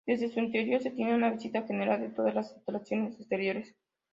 Desde su interior se tiene una vista general de todas las instalaciones exteriores.